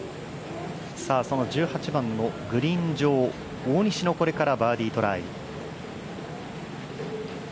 その１８番のグリーン上大西のバーディートライ。